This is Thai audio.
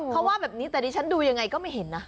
เขาว่าแบบนี้แต่ดิฉันดูยังไงก็ไม่เห็นนะ